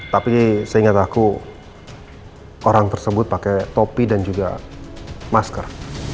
tapi seingat aku orang tersebut pakai topi dan juga masker